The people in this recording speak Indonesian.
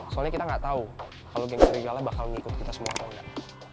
soalnya kita nggak tahu kalau geng serigala bakal ngikut kita semua atau enggak